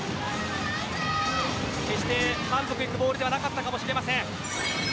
決して満足のいくボールではなかったかもしれません。